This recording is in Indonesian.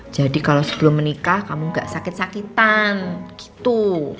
jadi kalo sebelum menikah kamu ga sakit sakitan gitu